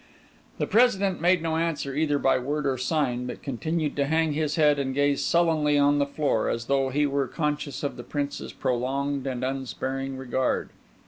The President made no answer either by word or sign; but continued to hang his head and gaze sullenly on the floor, as though he were conscious of the Prince's prolonged and unsparing regard.